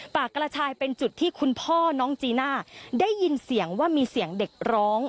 กระชายเป็นจุดที่คุณพ่อน้องจีน่าได้ยินเสียงว่ามีเสียงเด็กร้อง